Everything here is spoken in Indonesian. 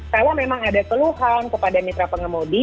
kalau memang ada keluhan kepada mitra pengemudi